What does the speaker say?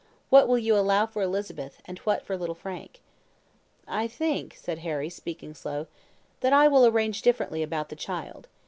What will you allow for Elizabeth, and what for little Frank?' "'I think,' said Harry, speaking slow, 'that I will arrange differently about the child.